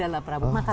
udah lapar lapar makan